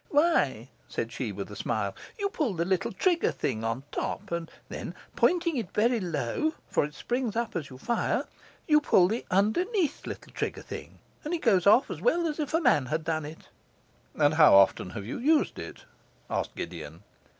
'Why,' said she, with a smile, 'you pull the little trigger thing on top, and then pointing it very low, for it springs up as you fire, you pull the underneath little trigger thing, and it goes off as well as if a man had done it.' 'And how often have you used it?' asked Gideon.